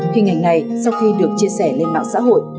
hình ảnh này sau khi được chia sẻ lên mạng xã hội